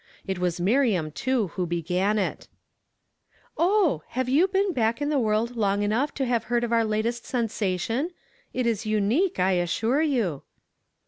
It was Miriam, too, who began it, —" Oh ! have you been back in the world long enough to have heard of our latest sensation? It is unique, I assure you."